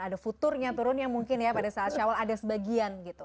ada futurnya turunnya mungkin ya pada saat syawal ada sebagian gitu